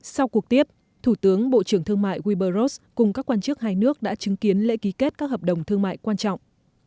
sau cuộc tiếp thủ tướng bộ trưởng thương mại wilbur ross cùng các quan chức hai nước đã chứng kiến lễ ký kết các hợp đồng thương mại quan trọng